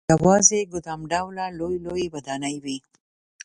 یوازې ګدام ډوله لويې لويې ودانۍ وې.